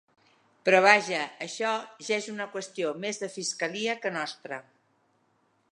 Però, vaja, això ja és una qüestió més de fiscalia que nostra.